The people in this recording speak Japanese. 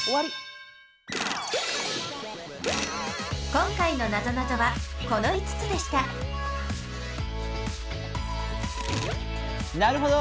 今回のなぞなぞはこの５つでしたなるほど。